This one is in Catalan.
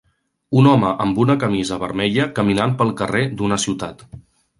Un home amb una camisa vermella caminant pel carrer d'una ciutat.